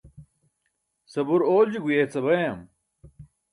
sabuur oolji guyeca bayam